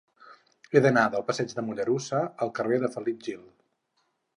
He d'anar del passeig de Mollerussa al carrer de Felip Gil.